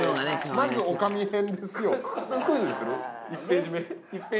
まず女将編ですよ。